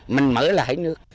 mình mở là thấy nước